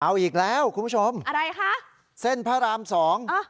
เอาอีกแล้วคุณผู้ชมอะไรคะเส้นพระรามสองฮะ